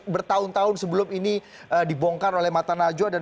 bertahun tahun sebelum ini dibongkar oleh matematika